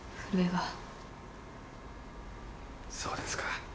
そうですか。